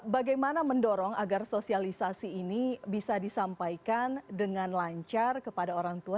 bagaimana mendorong agar sosialisasi ini bisa disampaikan dengan lancar kepada orang tua